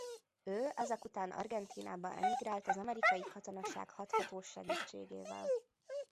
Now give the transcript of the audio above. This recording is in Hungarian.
Ő ezek után Argentínába emigrált az amerikai katonaság hathatós segítségével.